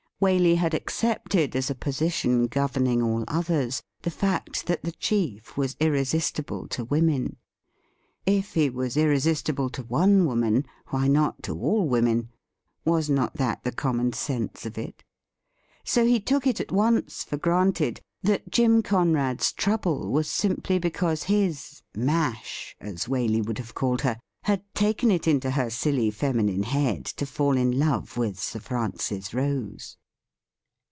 Waley had accepted £is a position governing all others the fact that^the chief was irresistible to women. If he was irre sistible to one woman, why not to all women ? Was not that the common sense of it ? So he took it at once for granted that Jim Conrad's trouble was simply because his 254 THE RIDDLE RING ■' mash,' as Waley would have called her, had taken it into !her silly feminine head to fall in love with Sir Francis Rose.